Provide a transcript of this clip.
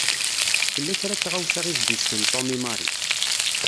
Tella kra n tɣawsa i s-d-isken Tom i Mary.